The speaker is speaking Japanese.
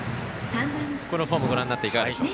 このフォームご覧になっていかがでしょう。